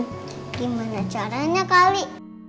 gimana caranya kali